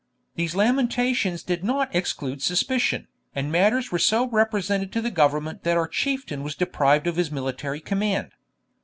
These lamentations did not exclude suspicion, and matters were so represented to government that our Chieftain was deprived of his military command.